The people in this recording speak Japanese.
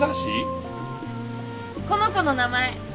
この子の名前。